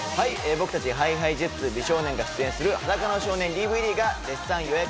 僕たちＨｉＨｉＪｅｔｓ美少年が出演する『裸の少年』ＤＶＤが絶賛予約